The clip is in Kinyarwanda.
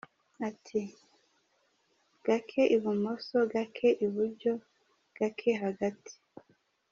Ati”Gake ibumoso, gake iburyo, gake hagati.